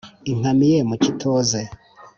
inkamiye mu kitoze